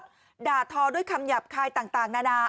ก็ด่าทอด้วยคำหยาบคายต่างนานา